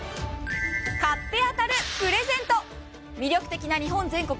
買って当たるプレゼント、魅力的な日本全国